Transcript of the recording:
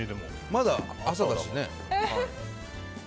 まだ朝だしね。